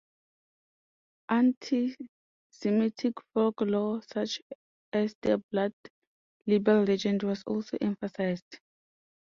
Anti-Semitic folklore such as the blood libel legend was also emphasized.